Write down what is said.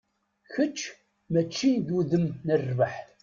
Kečč, mačči d udem n rrbeḥ.